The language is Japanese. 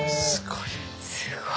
すごい。